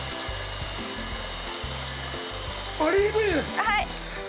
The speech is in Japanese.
はい！